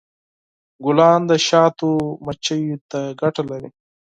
ګلان د شاتو مچیو ته ګټه لري.